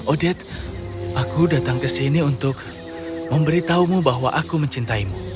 odette aku datang ke sini untuk memberitahumu bahwa aku mencintaimu